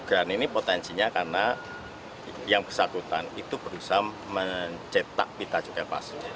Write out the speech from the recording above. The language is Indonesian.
kerugian ini potensinya karena yang kesakutan itu berusaha mencetak pita cukai palsu